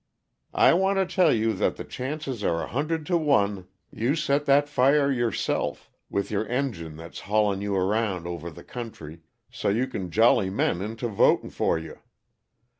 "I want to tell you that the chances are a hundred to one you set that fire yourself, with your engine that's haulin' you around over the country, so you can jolly men into votin' for you.